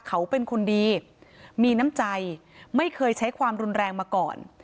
เขาเป็นคนดีมีน้ำใจไม่เคยใช้ความรุนแรงมาก่อน